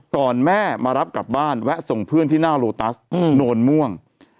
แม่มารับกลับบ้านแวะส่งเพื่อนที่หน้าโลตัสโนนม่วง